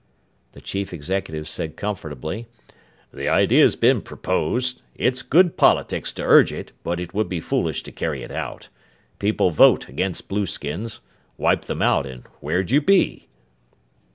The chief executive said comfortably, "The idea's been proposed. It's good politics to urge it, but it would be foolish to carry it out. People vote against blueskins. Wipe them out, and where'd you be?"